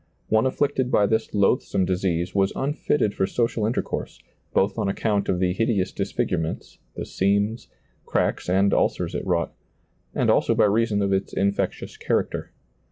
One afflicted by this loathsome disease was unfitted for social inter course, both on account of the hideous disfigure ments, the seams, cracks, and ulcers it wrought, and also by reason of its infectious character.